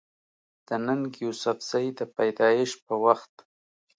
د ننګ يوسفزۍ د پېدايش پۀ وخت